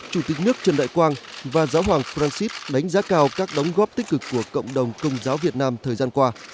chủ tịch nước trần đại quang và giáo hoàng francis đánh giá cao các đóng góp tích cực của cộng đồng công giáo việt nam thời gian qua